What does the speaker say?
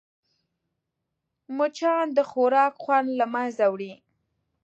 مچان د خوراک خوند له منځه وړي